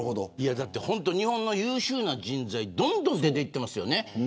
本当に日本の優秀な人材どんどん出ていってますよね。